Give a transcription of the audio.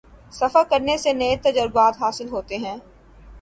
سفر کرنے سے نئے تجربات حاصل ہوتے ہیں